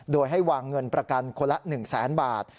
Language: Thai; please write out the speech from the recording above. โดยให้วางเงินประกันคนละ๑แสนบาท